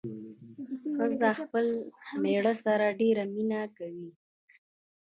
ښځه خپل مېړه سره ډېره مينه کوي